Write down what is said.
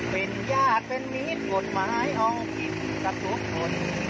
เป็นหญ้าเป็นมีรปฏิมายังผิดกับทุกคน